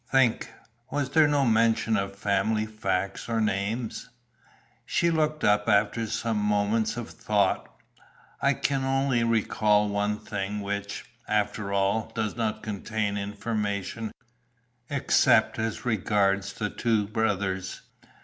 Think, was there no mention of family facts or names?" She looked up after some moments of thought. "I can only recall one thing which, after all, does not contain information, except as regards the two brothers.